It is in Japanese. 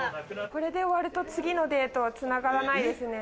これで終わると次のデートは繋がらないですね。